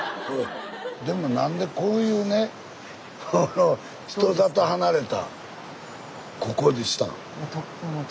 でも何でこういうね人里離れたここにしたの？